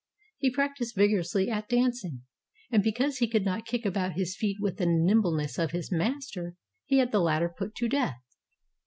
He practiced vigorously at dancing, and because he could not kick about his feet with the nimbleness of his master, he had the latter put to death.